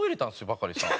バカリさん。